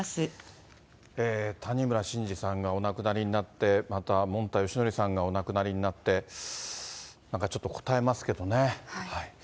谷村新司さんがお亡くなりになって、また、もんたよしのりさんがお亡くなりになって、なんかちょっと堪えますけどね。